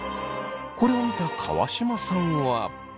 これを見た川島さんは。